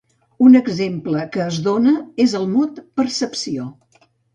Un exemple que es dóna és el mot "percepció".